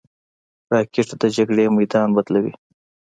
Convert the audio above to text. راکټ د جګړې میدان بدلوي